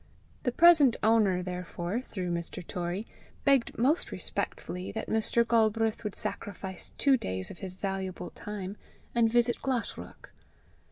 The present owner, therefore, through Mr. Torrie, begged most respectfully that Mr. Galbraith would sacrifice two days of his valuable time, and visit Glashruach.